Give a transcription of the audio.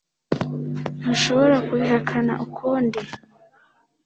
ntushobora kubihakana ukundi